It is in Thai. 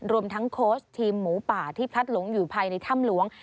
รวมทั้งโค้ชทีมหมูป่าที่พลัดหลงอยู่ภายในถ้ำหลวง